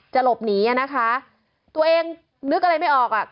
จะหลบหนีนะคะตัวเองนึกอะไรไม่ออก